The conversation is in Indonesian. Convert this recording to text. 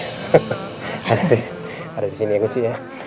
oh iya ada di sini ya kuncinya